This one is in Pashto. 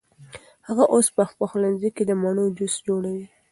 هغه اوس په پخلنځي کې د مڼو جوس جوړوي.